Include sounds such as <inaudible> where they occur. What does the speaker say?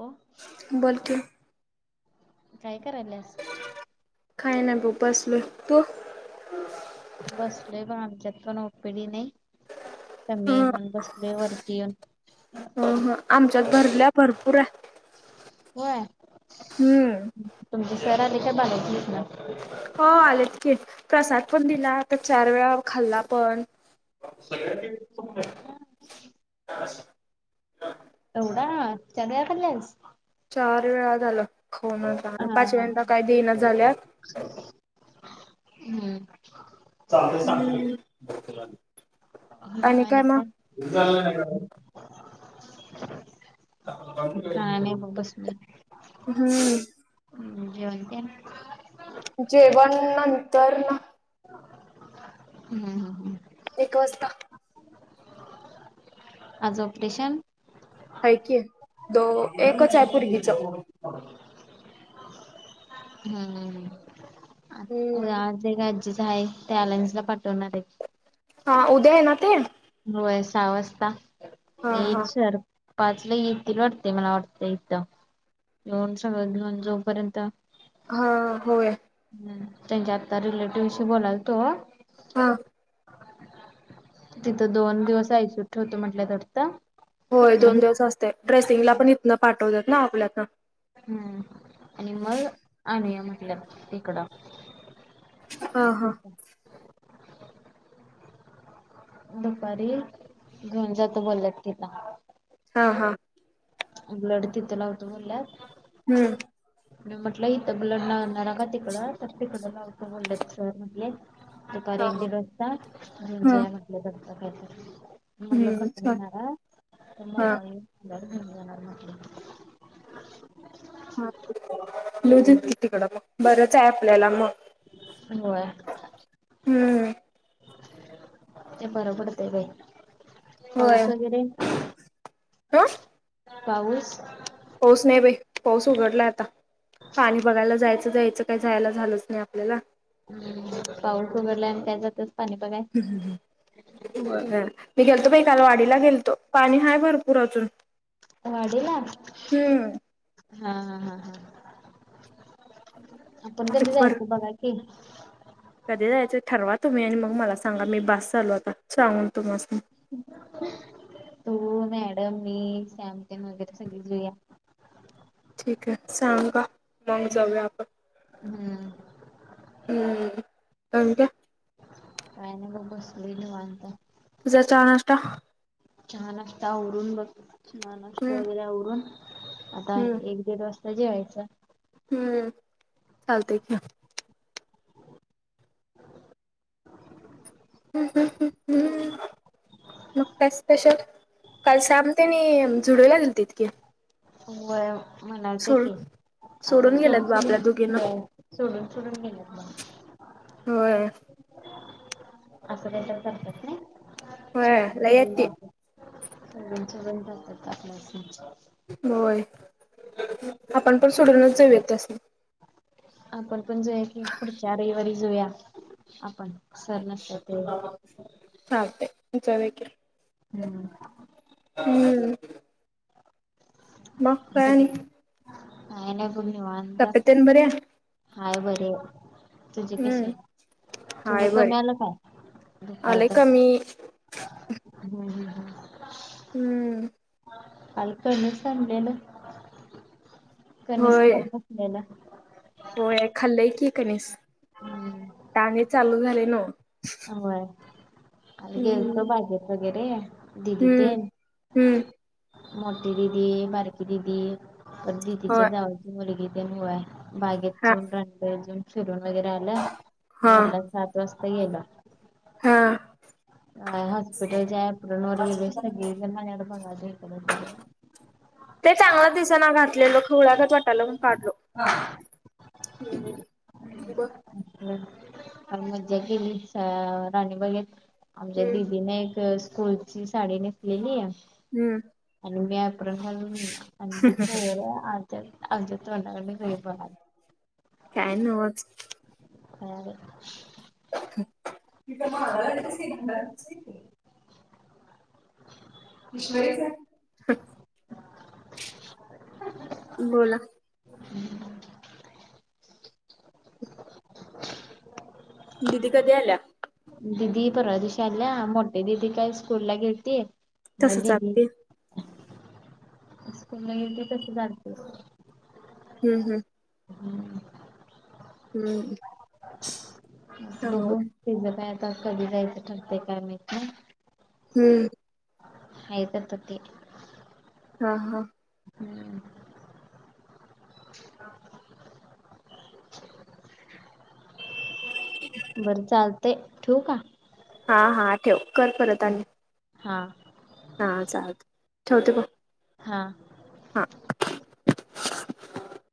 हो बोलतील काय करारल्या. काही नाही भो बसलोय. तू? बसलोय पण आमच्यात पण ओपीडी नाही. ह त्यामे म्हण बसले वरती येन. ह आमच्यात भरल्या भरपूर आहे. होय हम्म तुमची सर आले काय बलायलीस ना. हो आलेत कीट प्रसाद पण दिला तर चार वेळा खाल्ला पण. सगळ्यां एवढा चार वेळा खाल्लस. चार वेळा झाला खोनचा आणि पाच हा वेळेंत काही देण झाल्या. हम्म चालतय सांग का आणि काय. काही नाही बग बसतोय. हम्म. हम् जेवण केल जेवण नंतर. हम्म हम् हम्. एक वाजता. आज ऑपरेशन. आहे की. दो एकच आहे पोरगीच हम्म उद हम्म ते ग अज्जीच आहे त्याॅलन्स ला पटवणार आहे. हा उदय ना ते? होय सहा वाजता हा ये येल हा सर. पाचला येतील वाटते मला वाटतं इथं. येेऊन सगळं घेऊन जोपर्यंत. हा होय. त्यांच्या आत्ता रिलेटिव्हशी बोलायल तो हा. तिथं दोन दिवस आय सी यु त ठेवत म्हटल्या वाटतं. होय. मग दोन दिवस असते ड्रेसिंगला पण इथनं पाठवतात ना आपल्यातन हम्म आणि मग आणूया म्हटल्या तिकडं. हा मज हा का <unintelligible> दुपारी घेऊन जातो बोलल्यात तिला. हां. हां. ब्लड तिथं लावतोय बोलल्यात. हम्म. म्हटलं इथं ब्ल लाणार का तिकडं तर तिकडं लावतं बोललं स म्हटले. दुपारी हा एक हा दिड वाजता घेऊन हा जाय म्हटले जाता जाता. म्हटलं हम्म खर्चून छान होणार तर हा म्हणून मला घेऊन जाणार म्हटले. ह येउदेत म्हटले कि तिकडं मग बरंच आहे आपल्याला मग होय. हम्म हे बरोबर देवे होय पाऊस वगैरे ह पाऊस. पाऊस पाऊस नाही बाई. पाऊस उघडला आता. पाणी बघायला जायचं जायचं काय जायला झालंच नाही आपल्याला पाऊस उघडला आणि त्याच्यातच हम् ह. मग मी गेलतो बाई काल वाडीला गेलतो पाणी हाय भरपूर अजून. वाढला. हा. हम्म हा. हा. हा. आपण कधी बर जायचं बघा की? कधी जायचं ठरवा तुम्ही आणि मग मला सांगा मी बस झालो आता सांगून तुम्हासी तू, मॅडम, मी सांगते मग सगळे जाऊया ठीक आहे. सांगा. मग जाऊया आपण हम्म <unintelligible> का नाही बघ बसलोय निवांत तुझा चहा, नाश्ता? चहा, नाश्ता आवरून बघ चहा, नाश्ता हम्म वगैरे आवरून आता हम्म एक दीड वाजता मग जेवायचं. हम्म चालत की <inaudible> हम् हम् ह हम् मग काय स्पेशल? काल साबते आणि झुडूला दिते की व्हय म्हणालते सोड की आणि सोडून थोड गेल्यात बा थोड आपल्या दोघींना व्हय सोडून सोडून गेले मग होय. असं काही तर करतात नाही होय लई आहेत ती <unintelligible> <unintelligible> होय. आपण पण सोडूनच जाऊयात त्यासनी. आपण पण जाऊया की, पुढच्या रविवारी जाऊया आपण सर नसत्यात तेव्हा चालतंय. जाऊया हम्म. हम्म मग काय आणि नाही नाही एकदम निवांत तब्येत तेन बरी आहे हाय बर तुझे कसे हम्म आहे. हाय तुझं बरी कमी आलं काय काय आलंय तर कमी हम् हम. हम्म. आलकळ सडेेला. कमीच खरसलेला <unintelligible> हो खाल्लंय की कणीस टाग चालू झाले न. होय. आणि गेलतो बागेत वगैरे दिदी ते हम्म हम्म मोठी दिदी बारकी दिदी पण दिदीच्या होय जावळची मुलगी ते मुळ आहे. बागेत हा जा <unintelligible> रनवेजून फिरून वगैरे आलं हा घरला सात वाजता गेला. हा हम. अ हॉस्पिटल जयपुर नोर्वी बेस्ग मडबग अजक <unintelligible> ते चांगला दिसाना घातलेलं खुल्यागत वाटाल म्हणून काढलो. हा. अ मग मज्जा केली. अ राणी बाईयेत. आमच्या हम्म दिदीने एक स्कूलची साडी नेसलेली. हम्म. आणि मी अप्रोन घालून येईल आणि आमच्या तोंडावर नाही <unintelligible> काय न वाच ह. ह <unintelligible> त <unintelligible> बोला. दिदी कधी आल्या. दिदी परवा दिवशी आल्या मोठे दिदी काय स्कूल ला गेलती. मग तसच आत्ती दिदीक न येऊ ते तस जालते <unintelligible> हम् हम्. हम्म बघू. चांगलं ति ज काय आता कधी जायचं ठरते काय माहित हम्म ह तर त ते हा हा. हम्म. <inaudible> <inaudible> बरं चालते ठेवू का? हा हा ठेव कर परत आणि हा. हां चाल ठेवते हा. हा. हां.